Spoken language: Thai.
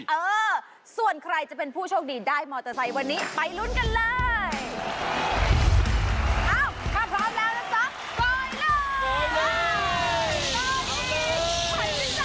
เออส่วนใครจะเป็นผู้โชคดีได้มอเตอร์ไซค์วันนี้ไปลุ้นกันเลย